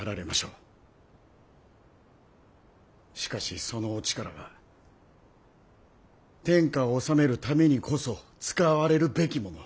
しかしそのお力は天下を治めるためにこそ使われるべきもの。